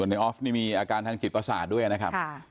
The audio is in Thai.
ในออฟนี่มีอาการทางจิตประสาทด้วยนะครับ